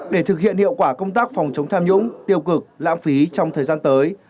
để thực hiện hiệu quả công tác phòng chống tham nhũng tiêu cực lãng phí trong thời gian tới